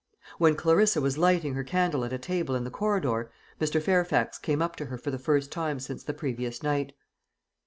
When Clarissa was lighting her candle at a table in the corridor, Mr. Fairfax came up to her for the first time since the previous night.